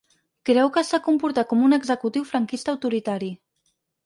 Creu que s’ha comportat com un executiu ‘franquista autoritari’.